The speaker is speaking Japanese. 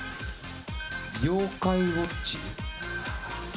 「妖怪ウォッチ」？